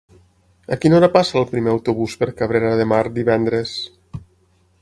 A quina hora passa el primer autobús per Cabrera de Mar divendres?